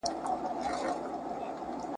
مرګ د اوبو وار دی نن پر ما سبا پر تا ,